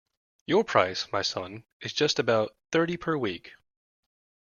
Your price, my son, is just about thirty per week.